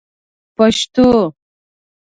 پشتو